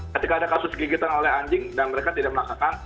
ketika ada kasus gigitan oleh anjing dan mereka tidak melaksanakan